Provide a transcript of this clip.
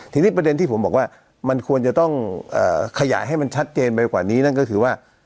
ทีนี้ประเด็นที่ผมบอกว่ามันควรจะต้องขยายให้มันชัดเจนไปกว่านี้นั่นก็คือว่า